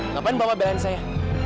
ngapain bapak belan saya